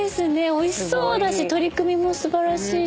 おいしそうだし取り組みも素晴らしいし。